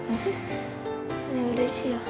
うれしい。